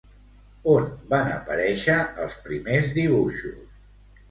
On van aparèixer els primers dibuixos?